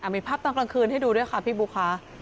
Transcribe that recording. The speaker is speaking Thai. มีภาพตอนกลางคืนให้ดูด้วยค่ะพี่บุ๊คค่ะ